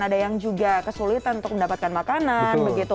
ada yang juga kesulitan untuk mendapatkan makanan begitu